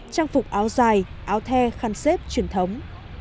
trang phục áo dài áo the khăn xếp truyền thống